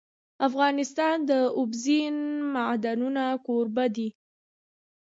افغانستان د اوبزین معدنونه کوربه دی.